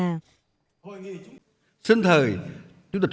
xuân thời chủ tịch hồ chí minh dành tình cảm đặc biệt